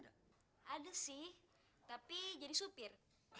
ada sih tapi jadi supir